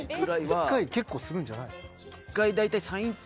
１回結構するんじゃないの？